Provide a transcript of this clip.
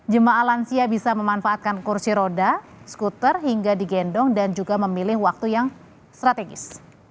jemaah lansia bisa memanfaatkan kursi roda skuter hingga digendong dan juga memilih waktu yang strategis